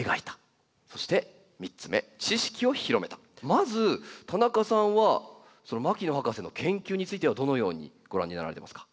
まず田中さんは牧野博士の研究についてはどのようにご覧になられてますか？